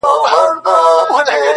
هم یو مهال د ادب او شعر